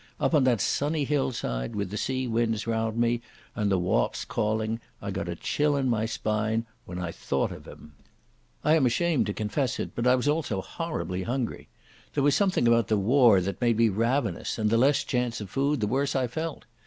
Up on that sunny hillside, with the sea winds round me and the whaups calling, I got a chill in my spine when I thought of him. I am ashamed to confess it, but I was also horribly hungry. There was something about the war that made me ravenous, and the less chance of food the worse I felt.